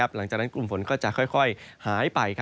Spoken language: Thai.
หลังจากนั้นกลุ่มฝนก็จะค่อยหายไป